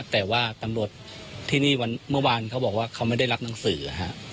แต่ว่าตำรวจที่นี่เมื่อวานเขาบอกว่าเขาไม่ได้รับหนังสือ